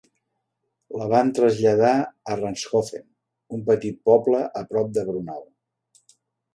La van traslladar a Ranshofen, un petit poble a prop de Braunau.